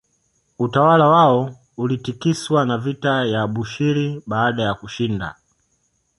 Utawala wao ulitikiswa na vita ya Abushiri baada ya kushinda